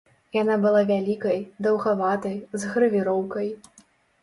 Яна была вялікай, даўгаватай, з гравіроўкай.